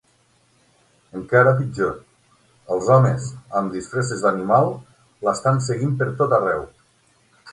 Encara pitjor, els homes amb disfresses d'animal l'estan seguint per tot arreu.